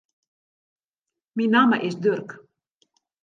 Myn namme is Durk.